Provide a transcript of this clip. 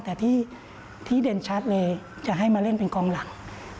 แต่ที่เด่นชัดเลยจะให้มาเล่นเป็นกองหลัง